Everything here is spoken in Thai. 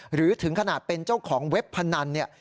หรือถึงขนาดเป็นเจ้าของเว็บพนันเนี่ย